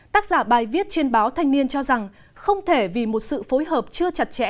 tác giả bài viết trên báo thanh niên cho rằng không thể vì một sự phối hợp chưa chặt chẽ